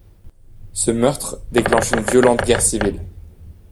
Ce meurtre déclenche une violente guerre civile.